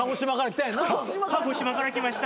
鹿児島から来ました。